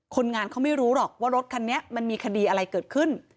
คนงานเขาไม่รู้หรอกว่ารถคันนี้มันมีคดีอะไรเกิดขึ้น